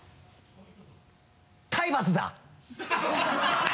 「体罰だ！」